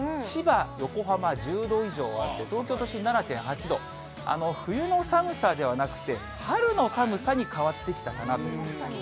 千葉、横浜１０度以上あって、東京都心７．８度、冬の寒さではなくて、春の寒さに変わってきたかなと。